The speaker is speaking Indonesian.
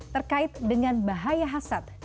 terkait dengan bahaya hasad